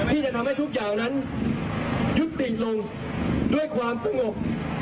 ที่จะทำให้ทุกอย่างนั้นยุติลงด้วยความสงบ